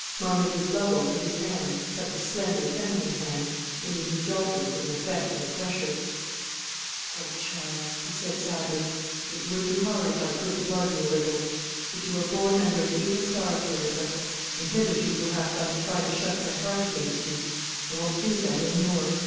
Marmaduke Lovel put his hand such a slender feminine hand into his daughter's with an affectionate pressure. "Poor child!" he said sadly. "It would be hard if I couldn't love you a little. But you were born under an evil star, Clarissa; and hitherto perhaps I have tried to shut my heart against you. I won't do that any more.